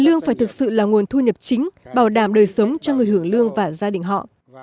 lương phải thực sự là nguồn thu nhập chính bảo đảm đời sống cho người hưởng lương và gia đình họ